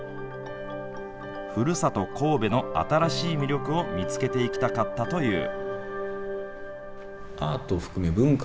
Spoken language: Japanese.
ふるさと神戸の新しい魅力を見つけていきたかったという。